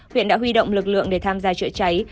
huyện đã huy động lực lượng để tham gia chữa cháy